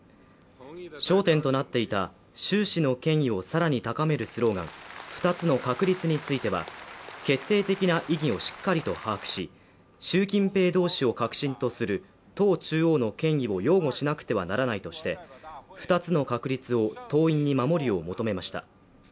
焦点となっていた習氏の権威を更に高めるスローガン、二つの確立については、決定的な意義をしっかりと把握し、習近平同志を核心とする党中央の権威を擁護しなくてはならないとして、二つの確立を党員に守るよう求めました。